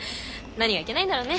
何がいけないんだろうね？